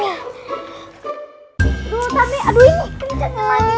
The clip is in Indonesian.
aduh ini kenceng lagi